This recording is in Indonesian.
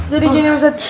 jadi gini ustadz